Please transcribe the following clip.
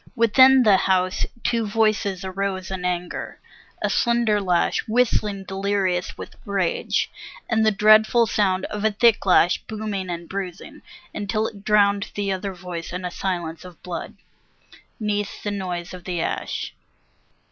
Within the house two voices arose in anger, a slender lash Whistling delirious rage, and the dreadful sound Of a thick lash booming and bruising, until it drowned The other voice in a silence of blood, 'neath the noise of the ash.